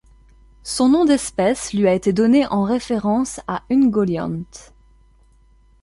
Son nom d'espèce lui a été donné en référence à Ungoliant.